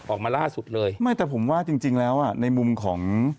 ออกมาล่าสุดเลยไม่แต่ผมว่าจริงจริงแล้วอ่ะในมุมของ